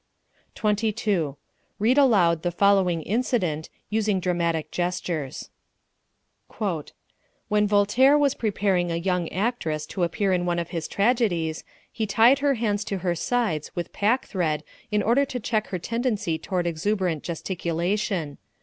22. Read aloud the following incident, using dramatic gestures: When Voltaire was preparing a young actress to appear in one of his tragedies, he tied her hands to her sides with pack thread in order to check her tendency toward exuberant gesticulation.